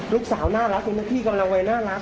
ลูกสาวน่ารักคุณแม่พี่กำลังวัยน่ารัก